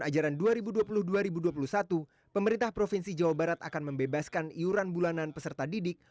ajaran dua ribu dua puluh dua ribu dua puluh satu pemerintah provinsi jawa barat akan membebaskan iuran bulanan peserta didik